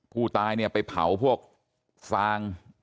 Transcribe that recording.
ผู้ตายเนี่ยไปเผาพวกฟาง